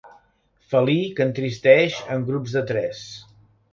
Felí que entristeix en grups de tres.